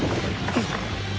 あっ！